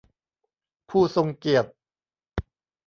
ผู้ทรงเกียรติ